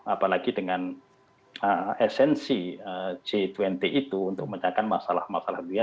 apalagi dengan esensi g dua puluh itu untuk mencatat masalah masalah dunia